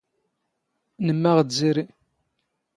ⵏⵎⵎⴰⵖ ⴷ ⵣⵉⵔⵉ.